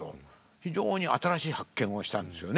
非常に新しい発見をしたんですよね。